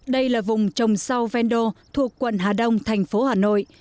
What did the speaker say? đây là vùng trồng sau vendo thuộc quận hà đông thành phố hà nội